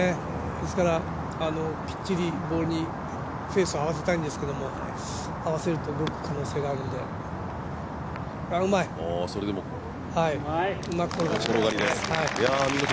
ですからきっちりボールにフェースを合わせたいんですけど、合わせると動く可能性があるのであ、うまいうまく転がりましたね。